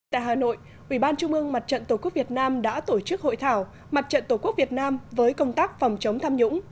tại hà nội ủy ban trung ương mặt trận tổ quốc việt nam đã tổ chức hội thảo mặt trận tổ quốc việt nam với công tác phòng chống tham nhũng